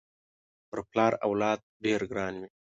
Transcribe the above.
پر پلار اولاد ډېر ګران وي